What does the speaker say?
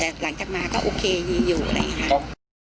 แต่หลังจากมาก็โอเคยิงอยู่เลยครับ